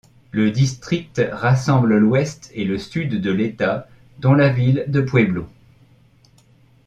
Le district rassemble l'ouest et le sud de l'État, dont la ville de Pueblo.